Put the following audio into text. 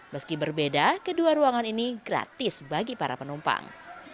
meski berbeda kedua ruangan ini gratis bagi para penumpang